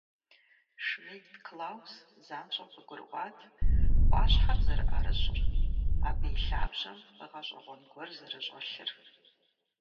Шмидт Клаус занщӀэу къыгурыӀуат Ӏуащхьэр зэрыӀэрыщӀыр, абы и лъабжьэм гъэщӀэгъуэн гуэр зэрыщӀэлъыр.